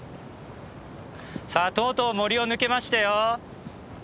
さあとうとう森を抜けましたよ。